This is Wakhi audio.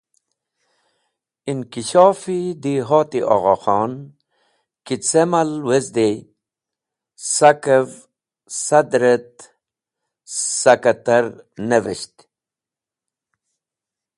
Inkishof-e Dehot-e Ogho Khon (AKRSSP) ki ce mal wezde, sakev Sadar et sakatar neveshte.